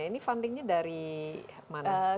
ini fundingnya dari mana